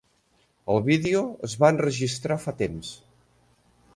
El vídeo es va enregistrar fa temps.